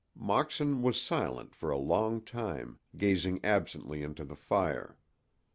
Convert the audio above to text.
Moxon was silent for a long time, gazing absently into the fire.